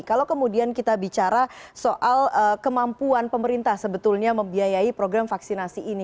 kalau kemudian kita bicara soal kemampuan pemerintah sebetulnya membiayai program vaksinasi ini